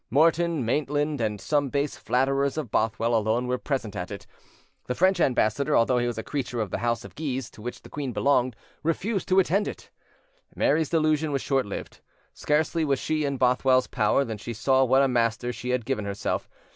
Morton, Maitland, and some base flatterers of Bothwell alone were present at it. The French ambassador, although he was a creature of the House of Guise, to which the queen belonged, refused to attend it. Mary's delusion was short lived: scarcely was she in Bothwell's power than she saw what a master she had given herself.